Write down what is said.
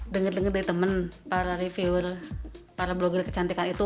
dengar dengar dari teman para reviewer para blogger kecantikan itu